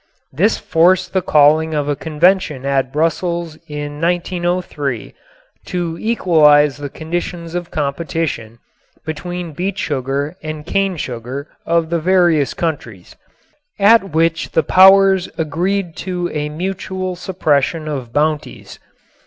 This forced the calling of a convention at Brussels in 1903 "to equalize the conditions of competition between beet sugar and cane sugar of the various countries," at which the powers agreed to a mutual suppression of bounties.